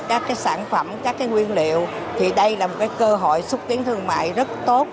các cái sản phẩm các cái nguyên liệu thì đây là một cơ hội xúc tiến thương mại rất tốt